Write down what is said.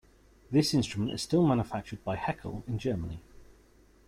This instrument is still manufactured by Heckel in Germany.